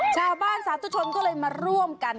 ชาวบ้านสาธุชนก็เลยมาร่วมกัน